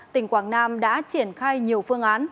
tỉnh quảng nam đã triển khai nhiều phương án